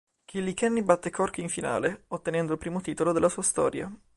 Kilkenny batté Cork in finale, ottenendo il primo titolo della sua storia.